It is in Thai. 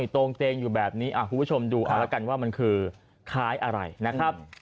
โตงเตงอยู่แบบนี้คุณผู้ชมดูเอาละกันว่ามันคือคล้ายอะไรนะครับ